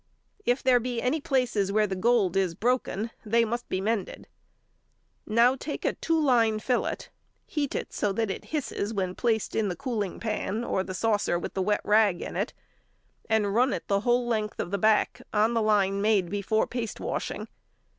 If there be any places where the gold is broken, they must be mended. Now take a two line fillet; heat it so that it hisses when placed in the cooling pan or the saucer with the wet rag in it, and run it the whole length of the back on the line made before paste washing.